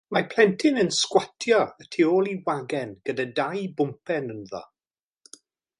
Mae plentyn yn sgwatio y tu ôl i wagen gyda dau bwmpen ynddo.